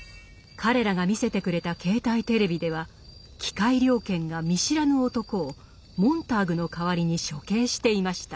彼らが見せてくれた携帯テレビでは機械猟犬が見知らぬ男をモンターグの代わりに処刑していました。